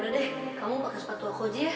udah deh kamu pakai sepatu aku aja ya